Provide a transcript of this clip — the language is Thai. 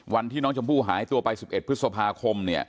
วันที่น้องชมพู่หายตัวไป๑๑พฤษภาคม